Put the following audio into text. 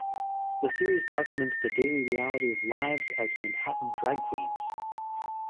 The series documents the daily reality of lives as Manhattan drag queens.